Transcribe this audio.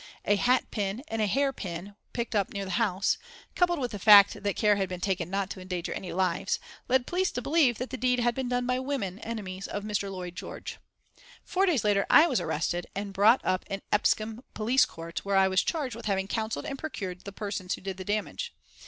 A hat pin and a hair pin picked up near the house coupled with the fact that care had been taken not to endanger any lives led the police to believe that the deed had been done by women enemies of Mr. Lloyd George. Four days later I was arrested and brought up in Epsom police court, where I was charged with having "counselled and procured" the persons who did the damage.